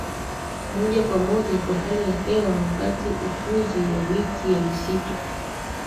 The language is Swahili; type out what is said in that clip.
moja kwa moja kwa hali ya hewa wakati ukuzi wa miti ya misitu